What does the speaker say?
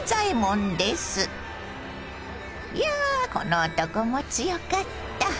いやこの男も強かった！